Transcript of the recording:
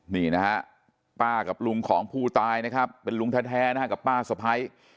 นี่นะฮะป้ากับลุงของผู้ตายนะครับเป็นลุงแท้นะฮะกับป้าสะพ้าย